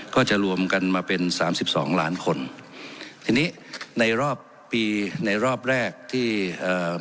ก็จะรวมกันมาเป็นสามสิบสองล้านคนทีนี้ในรอบปีในรอบแรกที่เอ่อ